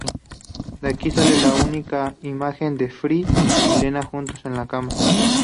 De aquí sale la única imagen de Fry y Leela juntos en la cama.